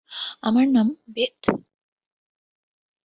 আমার নাম বেথ।